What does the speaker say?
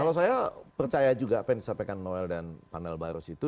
kalau saya percaya juga apa yang disampaikan noel dan panel barus itu